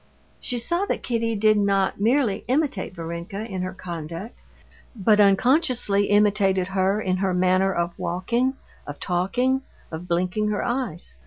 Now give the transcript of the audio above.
She saw that Kitty did not merely imitate Varenka in her conduct, but unconsciously imitated her in her manner of walking, of talking, of blinking her eyes.